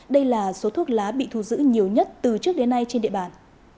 đây là số thuốc lá bị thu giữ nhiều nhất từ trước đến nay trên địa bàn